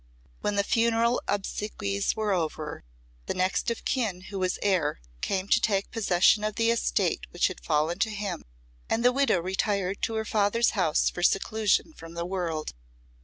When the funeral obsequies were over, the next of kin who was heir came to take possession of the estate which had fallen to him, and the widow retired to her father's house for seclusion from the world.